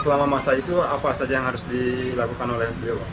selama masa itu apa saja yang harus dilakukan oleh beliau